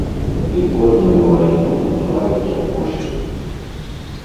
І кожную вайну называюць апошняй.